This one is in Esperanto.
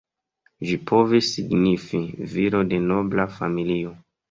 Ĝi povis signifi "viro de nobla familio".